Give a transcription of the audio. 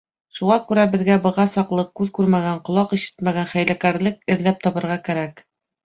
Шуға күрә беҙгә быға саҡлы күҙ күрмәгән, ҡолаҡ ишетмәгән хәйләкәрлек эҙләп табырға кәрәк.